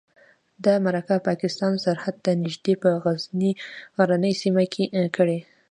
دا مرکه پاکستان سرحد ته نږدې په غرنۍ سیمه کې کړې.